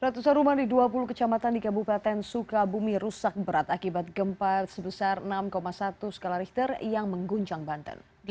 ratusan rumah di dua puluh kecamatan di kabupaten sukabumi rusak berat akibat gempa sebesar enam satu skala richter yang mengguncang banten